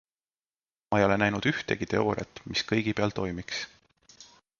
Ma ei ole näinud ühtegi teooriat, mis kõigi peal toimiks.